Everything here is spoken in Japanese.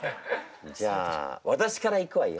じゃあ私からいくわよ。